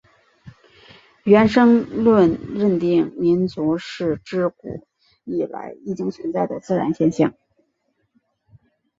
原生论认定民族是至古以来已经存在的自然现象。